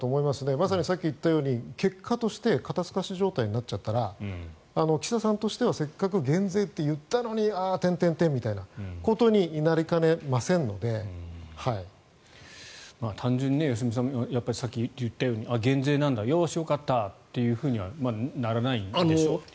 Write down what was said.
まさにさっき言ったように結果として肩透かし状態になったら岸田さんとしてはせっかく減税って言ったのにみたいなことに単純に良純さんやっぱりさっき言ったように減税なんだ、よしよかったとはならないんでしょうという。